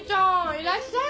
いらっしゃい。